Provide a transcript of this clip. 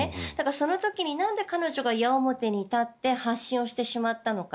その時になんで彼女が矢面に立って発信してしまったのか。